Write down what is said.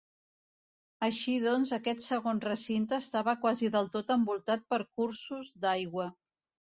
Així, doncs, aquest segon recinte estava quasi del tot envoltat per cursos d'aigua.